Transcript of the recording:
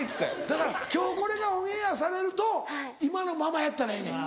だから今日これがオンエアされると今のままやったらええねん。